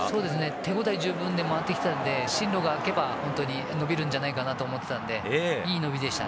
手応え十分で回ってきたので進路が空けば伸びるんじゃないかなと思っていたのでいい伸びでした。